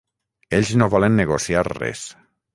Ells no volen negociar res.